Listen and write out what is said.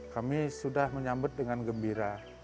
kami sudah menyambut dengan gembira